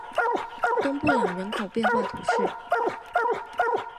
东布朗人口变化图示